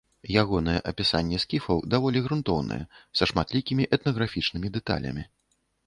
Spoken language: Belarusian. Ягонае апісанне скіфаў даволі грунтоўнае, са шматлікімі этнаграфічнымі дэталямі.